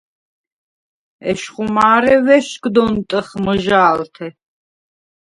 ეშხუ მა̄რე ვეშგდ ონტჷხ მჷჟა̄ლთე.